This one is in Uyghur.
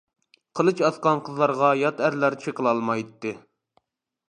قىلىچ ئاسقان قىزلارغا يات ئەرلەر چېقىلالمايتتى.